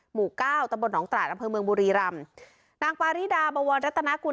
หมู่เก้าตำบลหนองตราดอำเภอเมืองบุรีรำนางปาริดาบวรรัตนากุล